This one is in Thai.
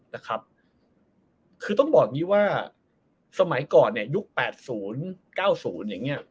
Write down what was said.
นะครับคือต้องบอกอย่างงี้ว่าสมัยก่อนเนี้ยยุคแปดศูนย์เก้าศูนย์อย่างเงี้ย